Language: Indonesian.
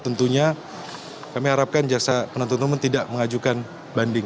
tentunya kami harapkan jaksa penuntut umum tidak mengajukan banding